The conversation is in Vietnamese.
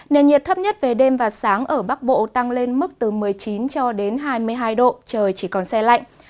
nền nhiệt thấp nhất về đêm và sáng ở bắc bộ tăng lên mức từ một mươi chín cho đến hai mươi hai độ trời chỉ còn xe lạnh